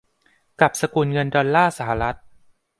กับสกุลเงินดอลลาร์สหรัฐ